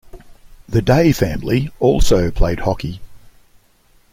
The Dey family also played hockey.